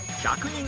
１００人